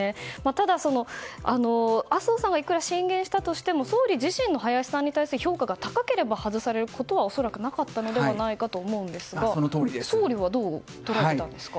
ただ、麻生さんがいくら進言したとしても総理自身の林さんに対する評価が高ければ外されることは恐らくなかったのではないかと思うんですが総理はどう捉えていたんですか？